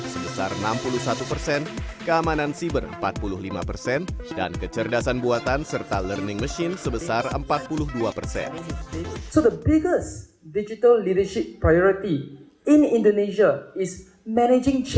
sebesar enam puluh satu persen keamanan siber empat puluh lima persen dan kecerdasan buatan serta learning machine sebesar empat puluh dua persen